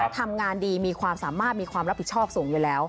ทำงานดีมีความสามารถมีความรับผิดชอบสูงอยู่แล้ว